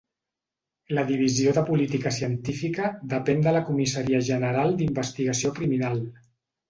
La Divisió de Policia Científica depèn de la Comissaria General d'Investigació Criminal.